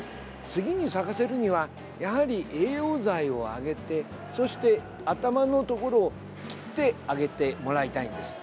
次に咲かせるにはやはり栄養剤をあげてそして、頭のところを切ってあげてもらいたいんです。